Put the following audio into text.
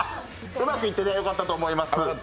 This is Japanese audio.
うまくいってよかったと思います。